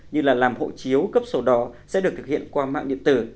như là làm hộ chiếu cấp sổ đỏ sẽ được thực hiện qua mạng điện tử